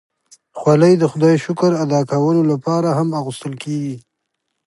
خولۍ د خدای شکر ادا کولو لپاره هم اغوستل کېږي.